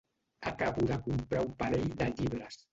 Acabo de comprar un parell de llibres.